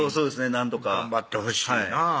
なんとか頑張ってほしいなぁ